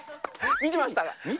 見てました。